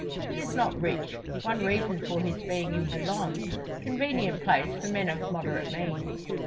He is not rich; one reason for his being in Boulogne convenient place for men of moderate means.